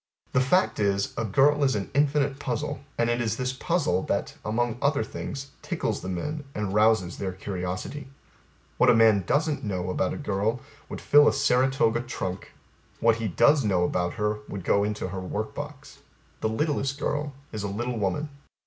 The fact is A girl is an infinite puzzle, and it is this puzzle, that, among other things, tickles the men, and rouses their curiosity. What a man doesn't know about a girl would fill a Saratoga trunk; what her does know about her would go into her work box. The littlest girl is a little women.